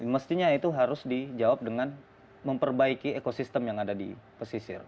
mestinya itu harus dijawab dengan memperbaiki ekosistem yang ada di pesisir